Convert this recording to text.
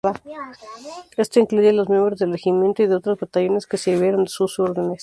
Esto incluye los miembros del regimiento y de otros batallones que sirvieron su órdenes.